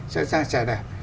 sẵn sàng trả đảm